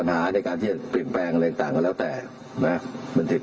มีศาสตราจารย์พิเศษวิชามหาคุณเป็นประเทศด้านกรวมความวิทยาลัยธรม